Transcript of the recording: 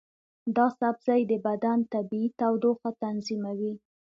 دا سبزی د بدن طبیعي تودوخه تنظیموي.